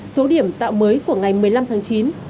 số điểm tạo mới của ngày một mươi năm tháng chín